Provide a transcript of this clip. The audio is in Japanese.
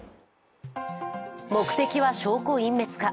目的は証拠隠滅か。